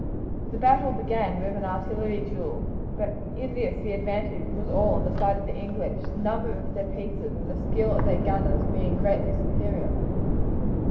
The battle began with an artillery duel, but in this the advantage was all on the side of the English, the number of their pieces and the skill of their gunners being greatly superior.